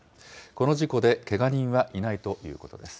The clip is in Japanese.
この事故でけが人はいないということです。